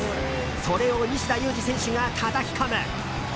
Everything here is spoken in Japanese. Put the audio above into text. それを西田有志選手がたたき込む！